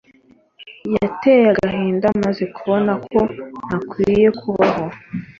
yateye agahinda maze kubona ko ntakwiye kubaho.